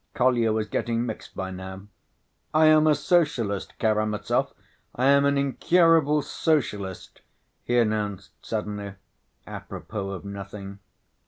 Kolya was getting mixed by now. "I am a Socialist, Karamazov, I am an incurable Socialist," he announced suddenly, apropos of nothing.